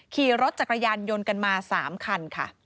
ขี่รถจักรยานยนต์กันมา๓คันค่ะ